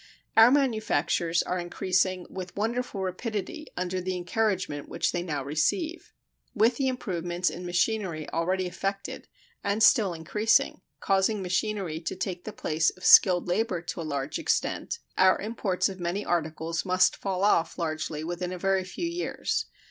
Our manufactures are increasing with wonderful rapidity under the encouragement which they now receive. With the improvements in machinery already effected, and still increasing, causing machinery to take the place of skilled labor to a large extent, our imports of many articles must fall off largely within a very few years.